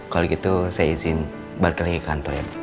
kalau gitu saya izin balik lagi ke kantor ya